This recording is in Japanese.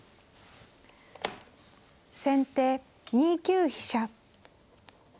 先手２九飛車。